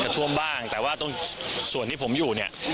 แต่ว่าส่วนที่ผมอยู่เนี่ย